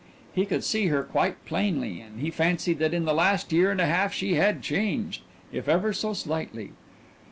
He could see her quite plainly, and he fancied that in the last year and a half she had changed, if ever so slightly.